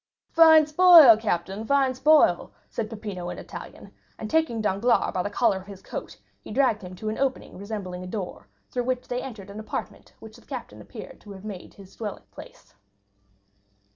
"Fine spoil, captain, fine spoil!" said Peppino in Italian, and taking Danglars by the collar of his coat he dragged him to an opening resembling a door, through which they entered the apartment which the captain appeared to have made his dwelling place.